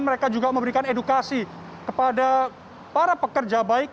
mereka juga memberikan edukasi kepada para pekerja baik